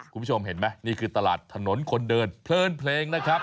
คุณผู้ชมเห็นไหมนี่คือตลาดถนนคนเดินเพลินเพลงนะครับ